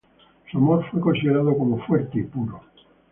Su amor fue considerado como fuerte y puro.